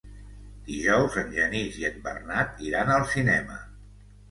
Dijous en Genís i en Bernat iran al cinema.